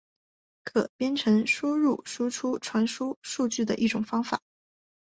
可编程输入输出传输数据的一种方法。